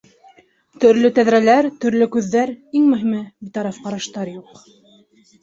Төрлө тәҙрәләр, төрлө күҙҙәр, иң мөһиме - би гараф ҡараштар юҡ